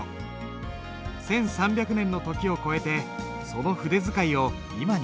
１，３００年の時を超えてその筆使いを今に伝えている。